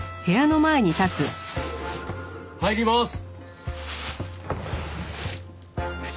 入ります。